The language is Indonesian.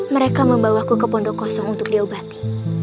mereka membawaku ke pondok kosong untuk diobati